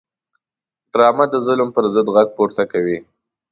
ډرامه د ظلم پر ضد غږ پورته کوي